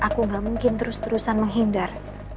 aku gak mungkin terus terusan menghindar